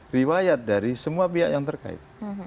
riwayat dari semua pihak yang terkait